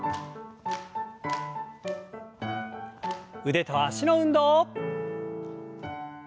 腕と脚の運動。